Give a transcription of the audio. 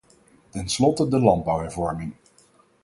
Tenslotte de landbouwhervorming.